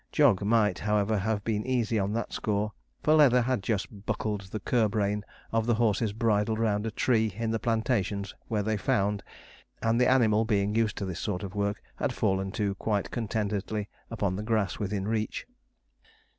Jog might, however, have been easy on that score, for Leather had just buckled the curb rein of the horse's bridle round a tree in the plantations where they found, and the animal, being used to this sort of work, had fallen to quite contentedly upon the grass within reach.